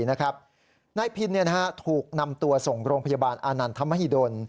นายพินถูกนำตัวส่งโรงพยาบาลอานันทมหิดล